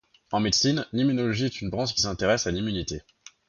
En médecine, l'immunologie est une branche qui s’intéresse à l'immunité.